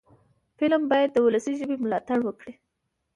فلم باید د ولسي ژبې ملاتړ وکړي